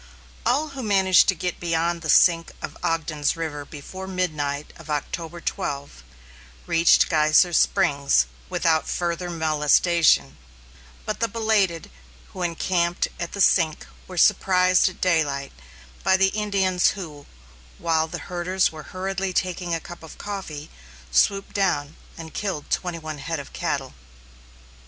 All who managed to get beyond the sink of Ogden's River before midnight of October 12, reached Geyser Springs without further molestation, but the belated, who encamped at the sink were surprised at daylight by the Indians, who, while the herders were hurriedly taking a cup of coffee, swooped down and killed twenty one head of cattle.